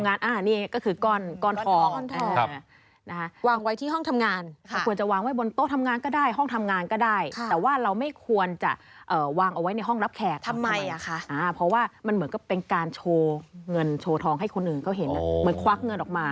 เพราะว่าเราไม่ควรจะวางเอาไว้ในห้องรับแขกทำไมอ่ะคะเพราะว่ามันเหมือนกับเป็นการโชว์เงินโชว์ทองให้คนอื่นเขาเห็นเหมือนควักเงินออกมา